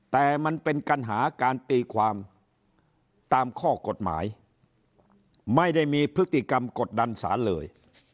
แต่มันเป็นปัญหาการตีความตามข้อกฎหมายไม่ได้มีพฤติกรรมกดดันสารเลย